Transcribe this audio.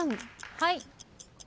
はい。